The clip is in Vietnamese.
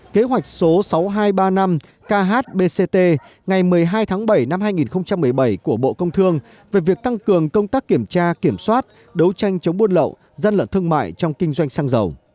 kế hoạch số sáu nghìn hai trăm ba mươi năm khbct ngày một mươi hai tháng bảy năm hai nghìn một mươi bảy của bộ công thương về việc tăng cường công tác kiểm tra kiểm soát đấu tranh chống buôn lậu gian lận thương mại trong kinh doanh xăng dầu